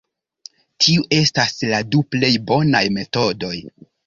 Tiu estas la du plej bonaj metodoj.